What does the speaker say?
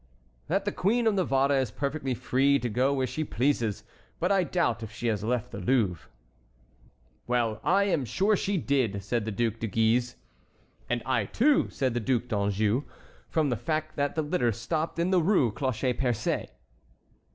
"That the Queen of Navarre is perfectly free to go where she pleases, but I doubt if she has left the Louvre." "Well, I am sure she did," said the Duc de Guise. "And I too," said the Duc d'Anjou, "from the fact that the litter stopped in the Rue Cloche Percée."